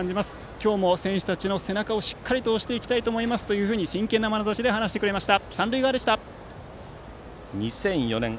今日も選手たちの背中をしっかりと押していきたいと思いますと真剣なまなざしで話してくれました。